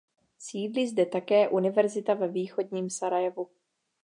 Sídlí zde také Univerzita ve Východním Sarajevu.